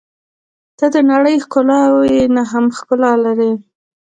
• ته د نړۍ ښکلاوې نه هم ښکلا لرې.